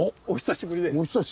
お久しぶりです